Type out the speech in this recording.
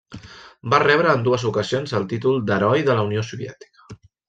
Va rebre en dues ocasions el títol d'Heroi de la Unió Soviètica.